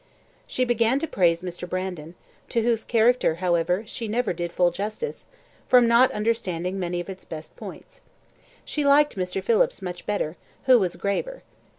She began to praise Mr. Brandon to whose character, however, she never did full justice, from not understanding many of its best points. She liked Mr. Phillips much better, who was graver.